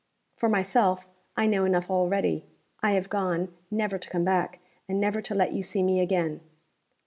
For myself, I know enough already. I have gone, never to come back, and never to let you see me again.